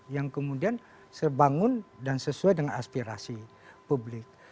yang kemudian sebangun dan sesuai dengan aspirasi publik